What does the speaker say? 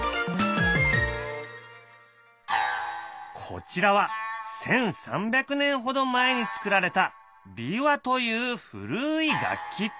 こちらは１，３００年ほど前に作られた琵琶という古い楽器。